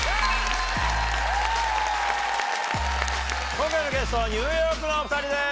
今回のゲストニューヨークのお２人です！